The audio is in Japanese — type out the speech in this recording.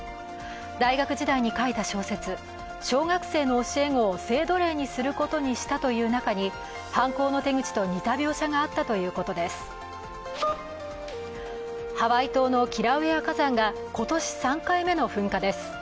大学時代に書いた小説、「小学生の教え子を性奴隷することにした」という中に犯行の手口と似た描写があったということですハワイ島のキラウエア火山が今年３回目の噴火です。